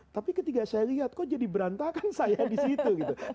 tapi ketika saya lihat kok jadi berantakan saya di situ gitu